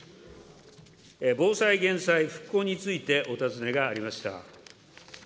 防災・減災・復興についてお尋ねがありました。